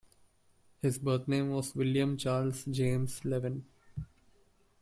His birth name was William Charles James Lewin.